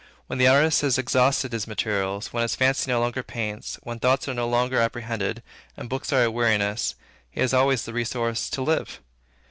When the artist has exhausted his materials, when the fancy no longer paints, when thoughts are no longer apprehended, and books are a weariness, he has always the resource to live.